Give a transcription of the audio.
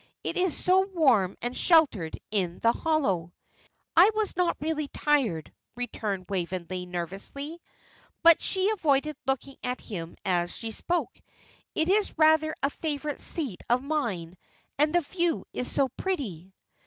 It is so warm and sheltered in the hollow." "I was not really tired," returned Waveney, nervously; but she avoided looking at him as she spoke. "It is rather a favourite seat of mine, and the view is so pretty."